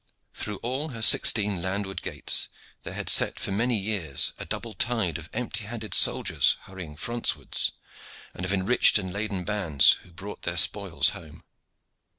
Through all her sixteen landward gates there had set for many years a double tide of empty handed soldiers hurrying Francewards, and of enriched and laden bands who brought their spoils home.